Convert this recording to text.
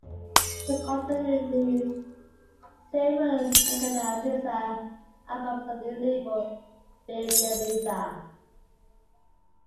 Picotto released several "Meganite Ibiza" albums on a new label, Big in Ibiza.